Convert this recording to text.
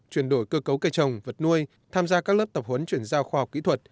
chuyển đổi cơ cấu cây trồng vật nuôi tham gia các lớp tập huấn chuyển giao khoa học kỹ thuật